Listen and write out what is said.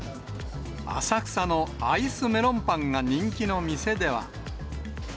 浅草のアイスメロンパンが人気の店では。